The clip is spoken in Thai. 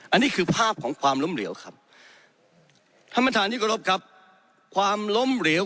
อันนี้คือภาพของความล้มเหลี่ยวครับธรรมฐานที่กระทบกับความล้มเหลี่ยว